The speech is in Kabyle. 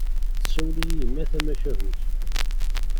Tsawel-iyi yemma tamacahut.